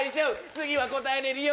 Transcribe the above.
次は答えれるよ